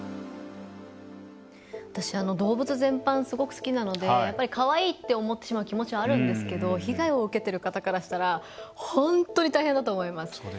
すごく好きなのでかわいいって思ってしまう気持ちはあるんですけど被害を受けてる方からしたら本当に大変だと思います。